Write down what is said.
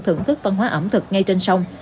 thưởng thức văn hóa ẩm thực ngay trên sông